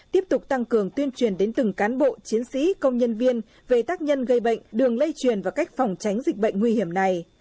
tiếp tục tăng cường tuyên truyền đến từng cán bộ chiến sĩ công nhân viên về tác nhân gây bệnh đường lây truyền và cách phòng tránh dịch bệnh nguy hiểm này